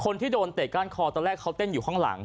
คนที่โดนเตะก้านคอตอนแรกเขาเต้นอยู่ข้างหลัง